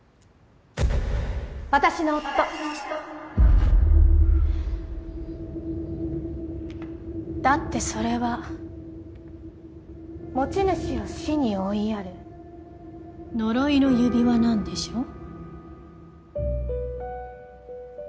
私の夫だってそれは持ち主を死に追いやる呪いの指輪なんでしょう？